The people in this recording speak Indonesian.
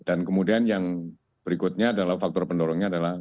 dan kemudian yang berikutnya adalah faktor pendorongnya adalah